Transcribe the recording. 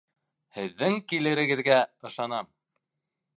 Һеҙҙең килерегеҙгә ышанам.